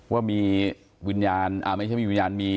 ว่ามีวิญญาณไม่ใช่มีวิญญาณมี